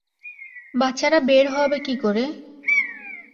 বাচ্চারা বের হবে কীকরে?